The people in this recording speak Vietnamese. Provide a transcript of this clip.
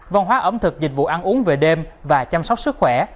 văn hóa ẩm thực dịch vụ ăn uống về đêm và chăm sóc sức khỏe